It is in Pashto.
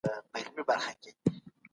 د دولت مصارف د ټولني په ګټه تمامېږي.